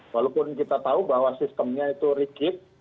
walaupun kita tahu bahwa sistemnya itu regit